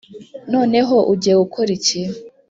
noneho ugiye gukora iki. '